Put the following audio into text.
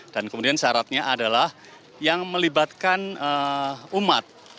dan kemudian syaratnya adalah yang melibatkan umat